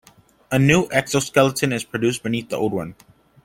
A new exoskeleton is produced beneath the old one.